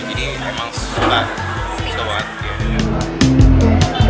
jadi memang suka banget